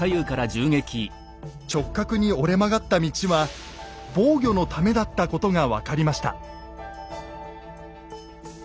直角に折れ曲がった道は防御のためだったことが分かりました。